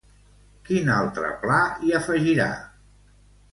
Quin altre pla hi afegirà?